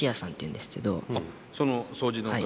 その掃除の方？